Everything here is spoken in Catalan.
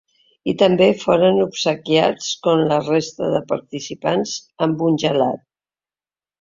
I també foren obsequiats, com la resta de participants, amb un gelat.